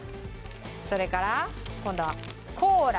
それから今度はコーラ。